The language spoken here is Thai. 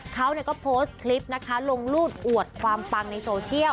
เขาก็โพสต์คลิปนะคะลงรูปอวดความปังในโซเชียล